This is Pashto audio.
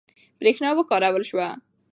برېښنا وکارول شوه.